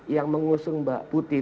yang mengusung mbak putih